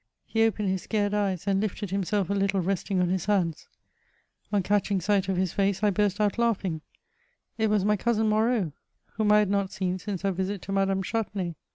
He opened his scared eyes, and lifted hims^ a little, resting on his hands ; on catching sight of his face I burst out laughmg ; it was my cousin Moreau, whom I had not seen since our visit to Madame Chatenay.